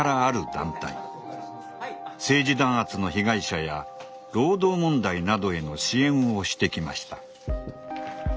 政治弾圧の被害者や労働問題などへの支援をしてきました。